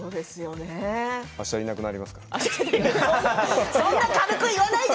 あしたいなくなりますから。